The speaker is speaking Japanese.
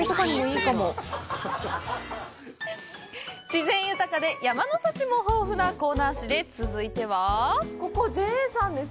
自然豊かで山の幸も豊富な香南市で続いては。